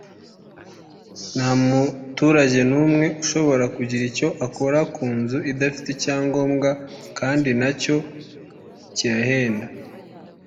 Nta muturage n’umwe ushobora kugira icyo akora ku nzu adafite icyangobwa kandi na cyo kirahenda “